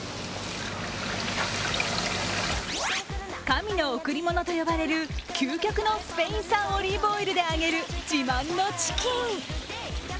神の贈り物と呼ばれる究極のスペイン産オリーブオイルで揚げる自慢のチキン。